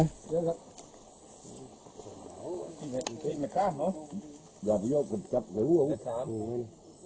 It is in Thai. นี่